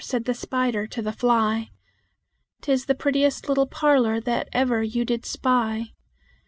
said the spider to the fly; "'Tis the prettiest little parlor that ever you did spy.